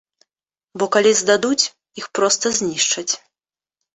Бо калі здадуць, іх проста знішчаць.